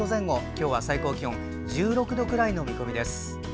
今日は最高気温１６度くらいの見込みです。